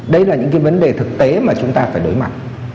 đấy là những cái vấn đề thực tế mà chúng ta phải đối mặt